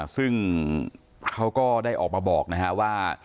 ซึ่งเขาก็ได้ออกมาบอกว่า